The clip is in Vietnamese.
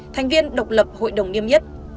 thành viên độc lập hội đồng niêm yết